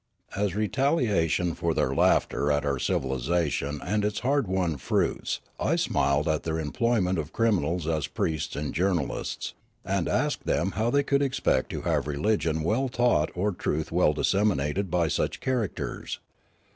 As retaliation for their laughter at our civilisation and its hard won fruits I smiled at their employment of criminals as priests and journalists, and asked them how they could expect to have religion well taught or truth well disseminated by such characters.